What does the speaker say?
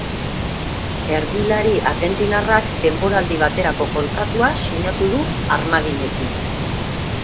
Erdilari argentinarrak denboraldi baterako kontratua sinatu du armaginekin.